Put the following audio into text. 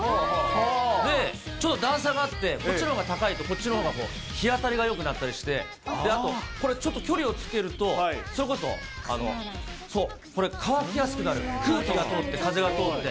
で、ちょっと段差があって、こちらのほうが高いと、こっちのほうが日当たりがよくなったりして、あとこれ、ちょっと距離をつけると、それこそ、これ乾きやすくなる、空気が通って、風が通って。